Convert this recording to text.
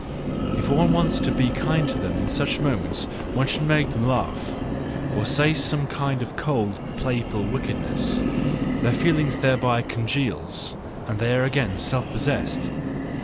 If one wants to be kind to them in such moments one should make them laugh, or say some kind of cold, playful wickedness :—their feeling thereby congeals, and they are again self possessed.